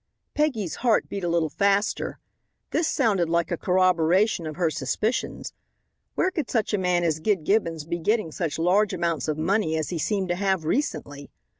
Peggy's heart beat a little faster. This sounded like a corroboration of her suspicions. Where could such a man as Gid Gibbons be getting such large amounts of money as he seemed to have recently?